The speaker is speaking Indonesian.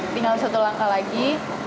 tinggal satu langkah lagi